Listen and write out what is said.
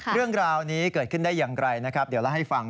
เรื่องราวนี้เกิดขึ้นได้อย่างไรนะครับเดี๋ยวเล่าให้ฟัง